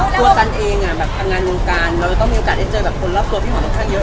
ตัวตันเองแบบทำงานวงการเราจะต้องมีโอกาสได้เจอแบบคนรอบตัวพี่หอมค่อนข้างเยอะ